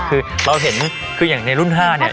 คือเราเห็นคืออย่างในรุ่น๕เนี่ย